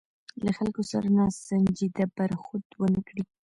له خلکو سره ناسنجیده برخورد ونه کړي.